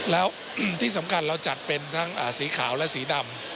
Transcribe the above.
แล้วที่สำคัญเราจัดเป็นทั้งสีขาวและสีดำ